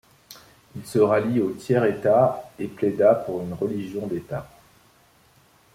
Il se rallie au tiers état et plaida pour une religion d'état.